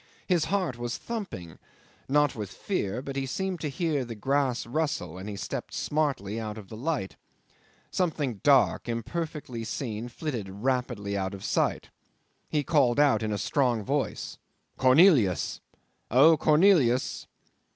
His heart was thumping not with fear but he seemed to hear the grass rustle, and he stepped smartly out of the light. Something dark, imperfectly seen, flitted rapidly out of sight. He called out in a strong voice, "Cornelius! O Cornelius!"